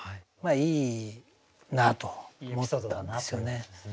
いいなと思ったんですよね。